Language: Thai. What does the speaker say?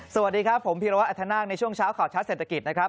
สวัสดีครับผมพีรวัตอัธนาคในช่วงเช้าข่าวชัดเศรษฐกิจนะครับ